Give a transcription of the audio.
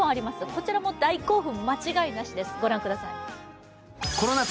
こちらも大興奮間違いなしです、御覧ください。